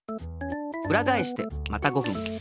うらがえしてまた５ふん。